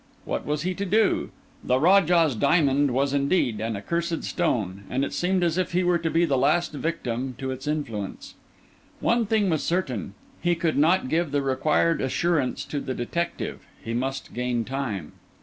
What was he to do? The Rajah's Diamond was indeed an accursed stone; and it seemed as if he were to be the last victim to its influence. One thing was certain. He could not give the required assurance to the detective. He must gain time.